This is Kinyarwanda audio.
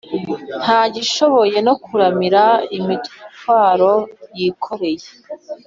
ntagishoboye no kuramira imitwaro yikoreye,